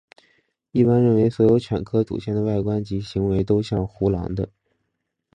一般认为所有犬科祖先的外观及行为都像胡狼的。